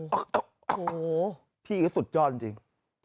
โอ้โหพี่ก็สุดยอดจริง